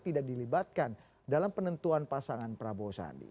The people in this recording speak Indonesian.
tidak dilibatkan dalam penentuan pasangan prabowo sandi